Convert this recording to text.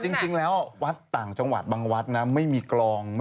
จริงแล้ววัดต่างจังหวัดบางวัดนะไม่มีกลอง